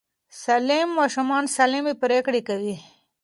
سالم ماشومان سالمې پرېکړې کوي.